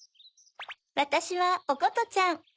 わたしはおことちゃん。